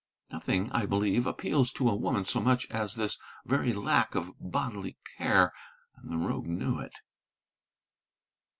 Nothing, I believe, appeals to a woman so much as this very lack of bodily care. And the rogue knew it!